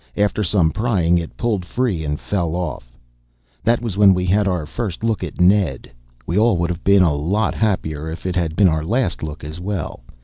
After some prying it pulled free and fell off. That was when we had our first look at Ned. We all would have been a lot happier if it had been our last look as well.